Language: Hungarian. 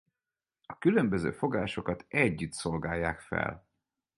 A különböző fogásokat együtt szolgálják fel.